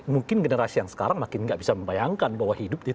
mungkin generasi yang sekarang makin nggak bisa membayangkan bahwa hidup